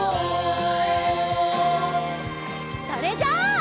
それじゃあ。